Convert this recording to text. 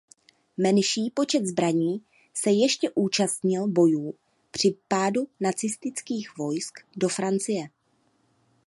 Menší počet zbraní se ještě účastnil bojů při vpádu nacistických vojsk do Francie.